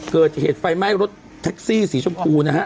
เกิดเหตุไฟไหม้รถแท็กซี่สีชมพูนะฮะ